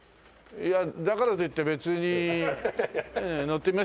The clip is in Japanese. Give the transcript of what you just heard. いやだからといって別に乗ってみましょうか。